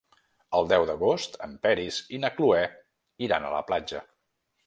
El deu d'agost en Peris i na Cloè iran a la platja.